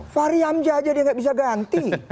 fahri hamzah aja dia nggak bisa ganti